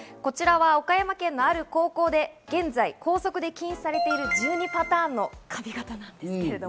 岡山県のある高校で現在、校則で禁止されている１２パターンの髪形です。